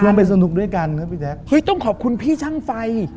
ไปสนุกด้วยกันครับพี่แจ๊คเฮ้ยต้องขอบคุณพี่ช่างไฟ